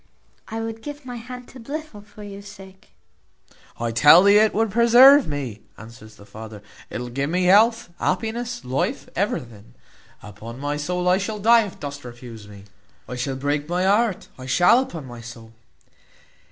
I would give my hand to Blifil for your sake." "I tell thee, it will preserve me," answers the father; "it will give me health, happiness, life, everything. Upon my soul I shall die if dost refuse me; I shall break my heart, I shall, upon my soul."